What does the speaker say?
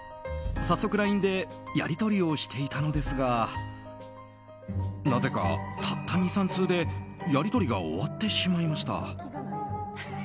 早速、ＬＩＮＥでやりとりをしていたのですがなぜかたった２３通でやり取りが終わってしまいました。